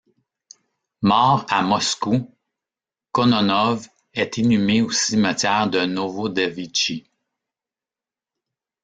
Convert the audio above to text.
Mort à Moscou, Kononov est inhumé au cimetière de Novodevitchi.